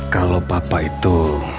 kalau papa itu